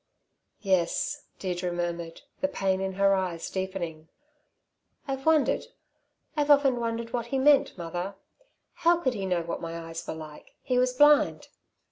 '" "Yes." Deirdre murmured, the pain in her eyes deepening. "I've wondered ... I've often wondered what he meant, mother. How could he know what my eyes were like. He was blind."